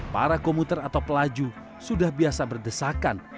para komuter atau pelaju sudah biasa berdesakan